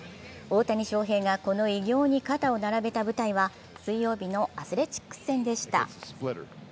大谷翔平がこの偉業に肩を並べた舞台は、水曜日のアスレチックス戦でした。